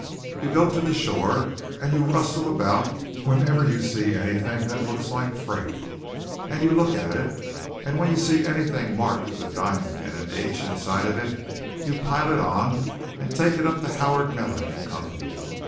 "You go to the shore and you rustle about whenever you see anything that looks like freight; and you look at it, and when you see anything marked with a diamond and an H inside of it, you pile it on and take it up to Howard Mellin & Company.